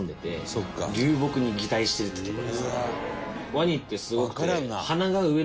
ワニってすごくて。